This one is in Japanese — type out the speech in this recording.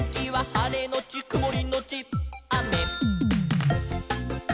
「はれのちくもりのちあめ」